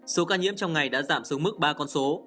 số ca nhiễm trong ngày đã giảm xuống mức ba con số